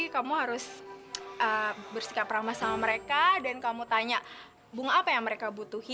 kamu tetep bisa ngirep aroma mawar kok